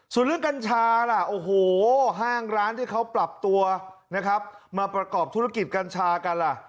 ส่วนเรื่องกัญชาห้างร้านที่เขาปรับตัวมาประกอบธุรกิจกัญชากัน